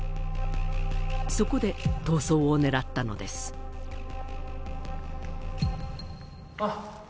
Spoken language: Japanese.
そこで逃走を狙ったのですあっ